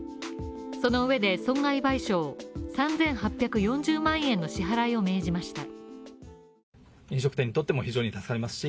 その上で損害賠償３８４０万円の支払いを命じました。